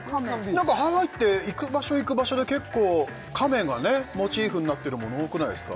なんかハワイって行く場所行く場所で結構カメがモチーフになってるもの多くないですか？